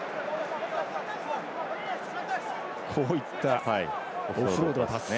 こういったオフロードのパス。